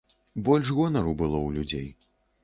Больш гонару было ў людзей.